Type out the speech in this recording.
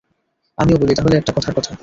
আমিও বলি তাহলে একটা কথার কথা।